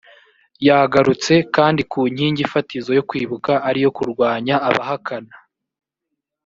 yagarutse kandi ku nkingi fatizo yo kwibuka ariyo kurwanya abahakana